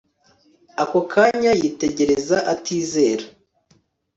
Ako kanya yitegereza atizera